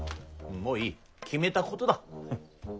もういい決めたことだ。